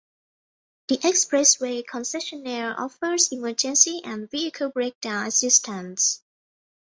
The expressway concessionaire offers emergency and vehicle breakdown assistance.